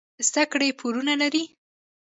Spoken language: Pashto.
زده کړې پورونه لري.